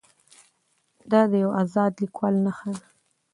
دا د یو ازاد لیکوال نښه ده.